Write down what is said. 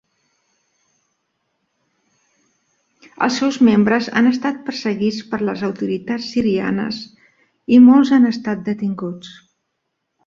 Els seus membres han estat perseguits per les autoritats sirianes i molts han estat detinguts.